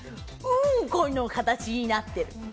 うんこの形になっている。